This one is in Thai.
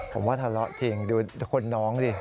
ผมว่าทะเลาะจริงดูคนน้องดิ